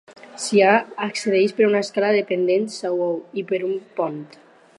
S'hi accedeix per una escala de pendent suau i per un pont.